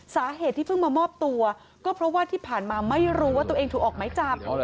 สาเหตุที่เพิ่งมามอบตัวก็เพราะว่าที่ผ่านมาไม่รู้ว่าตัวเองถูกออกไม้จับ